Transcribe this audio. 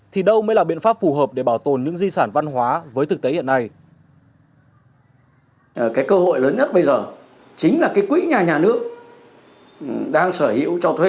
thì đâu mới là biện pháp phù hợp để bảo tồn những di sản văn hóa với thực tế hiện nay